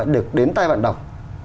được đến tay vận động